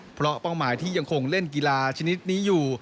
เพราะเป้าหมายที่ยังคงเล่นกีฬาชนิดนี้อยู่